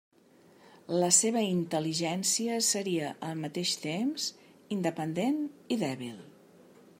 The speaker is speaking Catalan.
La seva intel·ligència seria al mateix temps independent i dèbil.